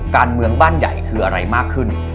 การเมืองบ้านใหญ่คืออะไรมากขึ้น